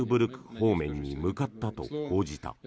方面に向かったと報じた。